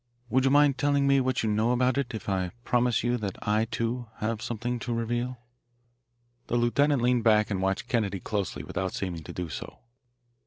Would you mind telling me what you know about it if I promise you that I, too, have something to reveal?" The lieutenant leaned back and watched Kennedy closely without seeming to do so.